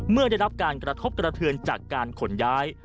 เมื่อได้รับการกระทบกระเทือนจากการขนย้าย